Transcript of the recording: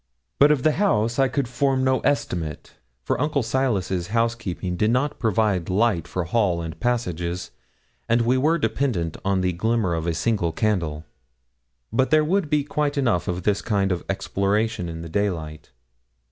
But of the house I could form no estimate, for Uncle Silas's housekeeping did not provide light for hall and passages, and we were dependent on the glimmer of a single candle; but there would be quite enough of this kind of exploration in the daylight.